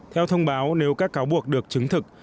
theo thông báo nếu các cáo buộc được chứng thực